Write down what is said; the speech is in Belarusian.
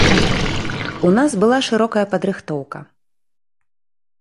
У нас была шырокая падрыхтоўка.